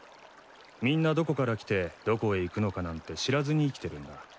みんなどこから来てどこへ行くのかなんて知らずに生きてるんだ。